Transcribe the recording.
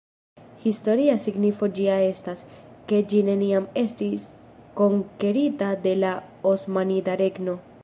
Historia signifo ĝia estas, ke ĝi neniam estis konkerita de la Osmanida Regno.